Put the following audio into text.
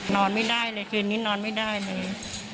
นอนไม่ได้เลยคืนนี้นอนไม่ได้เลย